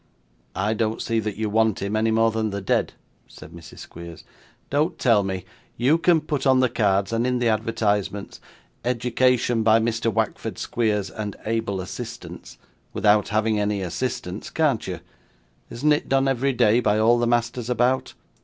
'I don't see that you want him any more than the dead,' said Mrs. Squeers. 'Don't tell me. You can put on the cards and in the advertisements, "Education by Mr. Wackford Squeers and able assistants," without having any assistants, can't you? Isn't it done every day by all the masters about?